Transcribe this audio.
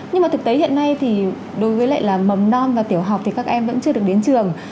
nhưng mà thực tế hiện nay thì đối với lại là mầm non và tiểu học thì các em vẫn chưa được đến trường